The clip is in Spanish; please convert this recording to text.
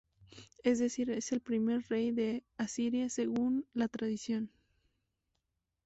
Es decir, es el primer rey de Asiria según la tradición.